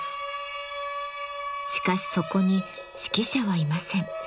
しかしそこに指揮者はいません。